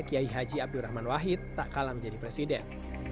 kiai haji abdurrahman wahid tak kalah menjadi presiden